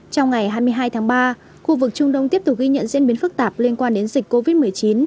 trong ngày hai mươi hai tháng ba khu vực trung đông tiếp tục ghi nhận diễn biến phức tạp liên quan đến dịch covid một mươi chín